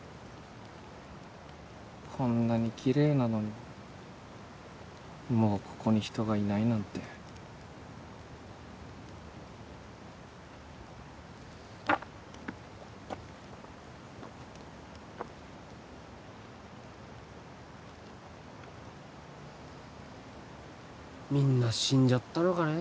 こんなにきれいなのにもうここに人がいないなんてみんな死んじゃったのかね